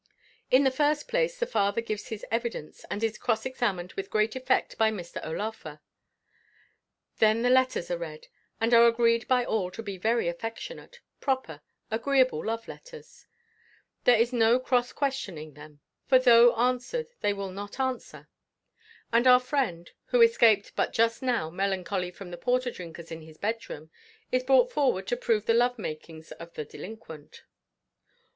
In the first place the father gives his evidence, and is cross examined with great effect by Mr. O'Laugher; then the letters are read, and are agreed by all to be very affectionate, proper, agreeable love letters; there is no cross questioning them, for though answered, they will not answer; and our friend, who escaped but just now melancholy from the porter drinkers in his bed room, is brought forward to prove the love makings of the delinquent.